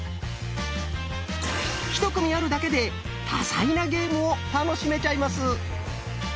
１組あるだけで多彩なゲームを楽しめちゃいます。